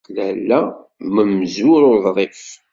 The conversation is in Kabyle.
Lalla mm umzur uḍrif.